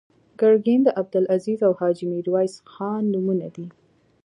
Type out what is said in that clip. ګرګین د عبدالعزیز او حاجي میرویس خان نومونه دي.